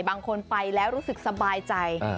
บางคนไปแล้วรู้สึกสบายใจ